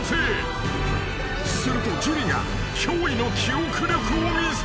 ［すると樹が驚異の記憶力を見せる］